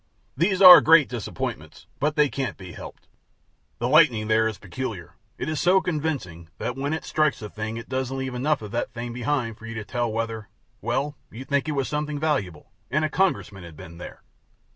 These are great disappointments; but they can't be helped. The lightning there is peculiar; it is so convincing, that when it strikes a thing it doesn't leave enough of that thing behind for you to tell whether Well, you'd think it was something valuable, and a Congressman had been there.